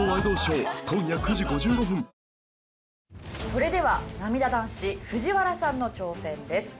それではなみだ男子藤原さんの挑戦です。